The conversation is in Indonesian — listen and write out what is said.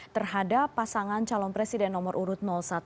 terhadap pasangan calon presiden nomor urut satu